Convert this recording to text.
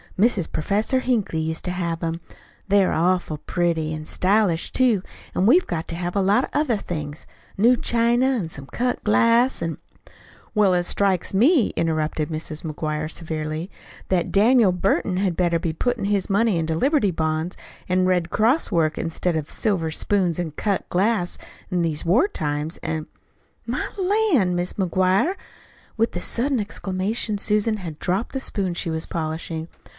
Mrs. Professor Hinkley used to have 'em. They're awful pretty an' stylish, too. And we've got to have a lot of other things new china, an' some cut glass, an' " "Well, it strikes me," interrupted Mrs. McGuire severely, "that Daniel Burton had better be puttin' his money into Liberty Bonds an' Red Cross work, instead of silver spoons an' cut glass, in these war times. An' " "My lan', Mis' McGuire!" With the sudden exclamation Susan had dropped the spoon she was polishing.